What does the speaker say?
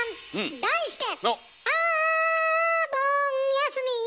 題して！